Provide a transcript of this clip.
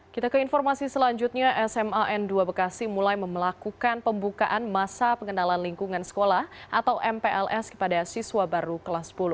kita ke informasi selanjutnya sma n dua bekasi mulai memelakukan pembukaan masa pengenalan lingkungan sekolah atau mpls kepada siswa baru kelas sepuluh